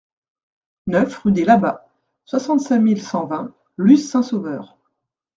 neuf rue dets Labats, soixante-cinq mille cent vingt Luz-Saint-Sauveur